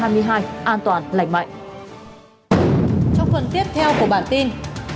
trong phần tiếp theo của bản tin